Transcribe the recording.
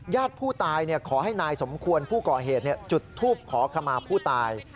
ญาติผู้ตายขอให้นายสมควรผู้ก่อเหตุจุดทูปขอขมาผู้ตาย